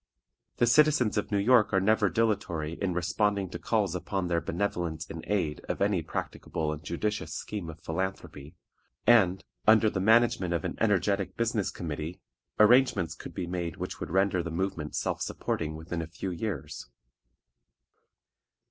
The citizens of New York are never dilatory in responding to calls upon their benevolence in aid of any practicable and judicious scheme of philanthropy, and, under the management of an energetic business committee, arrangements could be made which would render the movement self supporting within a few years.